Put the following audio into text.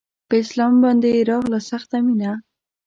په اسلام باندې يې راغله سخته مينه